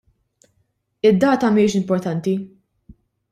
Id-data mhijiex importanti.